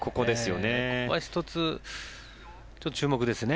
ここは１つ、注目ですね。